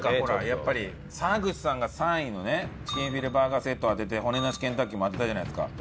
やっぱり沢口さんが３位のねチキンフィレバーガーセット当てて骨なしケンタッキーも当てたじゃないですか。